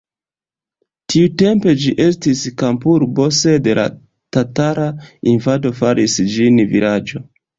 Tiutempe ĝi estis kampurbo, sed la tatara invado faris ĝin vilaĝo.